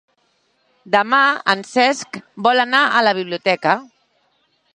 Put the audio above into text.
Demà en Cesc vol anar a la biblioteca.